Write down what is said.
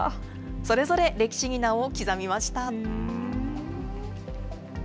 それぞれ、歴史に名を刻みました。